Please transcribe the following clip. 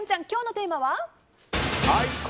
今日のテーマは？